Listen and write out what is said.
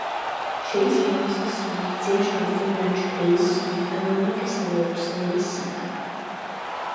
Šīs valstis smagi cieš no finanšu krīzes un ekonomikas lejupslīdes sekām.